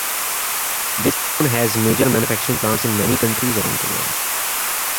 Bridgestone has major manufacturing plants in many countries around the world.